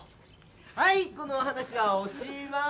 はいこの話はおしまい！